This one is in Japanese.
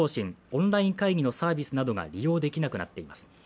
オンライン会議のサービスなどが利用できなくなっています。